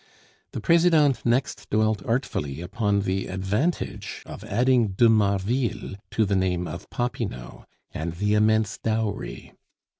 The Presidente next dwelt artfully upon the advantage of adding "de Marville" to the name of Popinot; and the immense dowry.